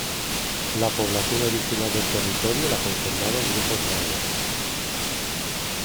La población original del territorio la conformaron grupos nahuas.